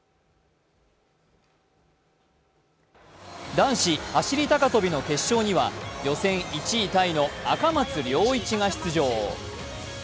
男子走高跳の決勝には予選１位タイの赤松諒一が出場。